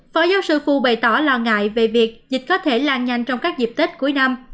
phó giáo sư phu bày tỏ lo ngại về việc dịch có thể lan nhanh trong các dịp tết cuối năm